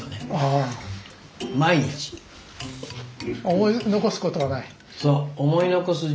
思い残すことはない？